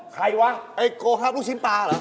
วะไอ้โกครับลูกชิ้นปลาเหรอ